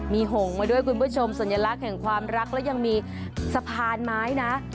มีหงมาด้วยคุณผู้ชมสัญลักษณ์แห่งความรักและยังมีสะพานไม้นะ